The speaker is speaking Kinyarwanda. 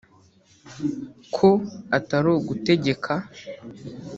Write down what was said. Ko atari ugutegeka